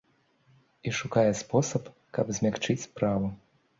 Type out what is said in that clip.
І шукае спосаб, каб змякчыць справу.